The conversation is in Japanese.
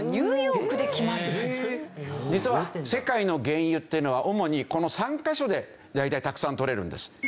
実は世界の原油っていうのは主にこの３カ所で大体たくさん採れるんです。